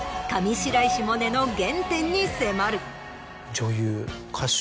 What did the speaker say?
上白石萌音の原点に迫る。